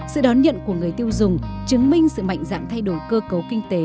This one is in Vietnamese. sự đón nhận của người tiêu dùng chứng minh sự mạnh dạng thay đổi cơ cấu kinh tế